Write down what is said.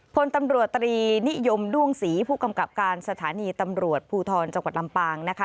พลตำรวจตรีนิยมด้วงศรีผู้กำกับการสถานีตำรวจภูทรจังหวัดลำปางนะคะ